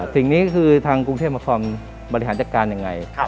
สิ่งนี้คือทางกรุงเทพมคอมบริหารจัดการยังไง